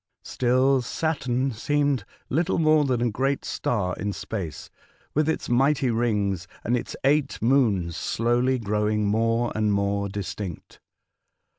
Still Saturn seemed little more than a great star in space, with its mighty rings and its eight moons slowly growing more and more distinct.